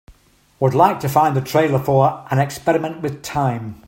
Would like to find the trailer for An Experiment with Time